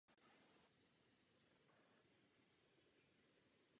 Zanedlouho přišla její první role.